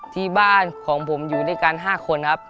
ที่บ้านของผมอยู่ด้วยกัน๕คนครับ